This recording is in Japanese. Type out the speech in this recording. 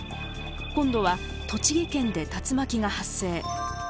今度は栃木県で竜巻が発生。